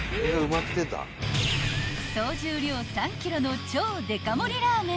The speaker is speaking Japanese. ［総重量３ｋｇの超デカ盛りラーメン］